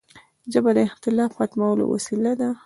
ژبه د اختلاف ختمولو وسیله ده